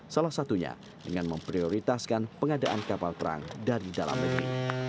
salah satunya dengan memprioritaskan pengadaan kapal perang dari dalam negeri